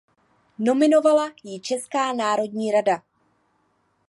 Nominovala ji Česká národní rada.